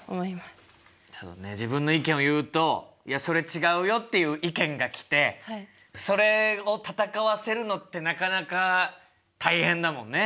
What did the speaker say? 自分の意見を言うと「いやそれ違うよ」っていう意見が来てそれを戦わせるのってなかなか大変だもんね。